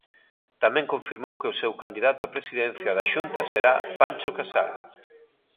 Tamén confirmou que o seu candidato á Presidencia da Xunta será Pancho Casal.